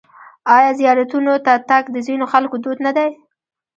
آیا زیارتونو ته تګ د ځینو خلکو دود نه دی؟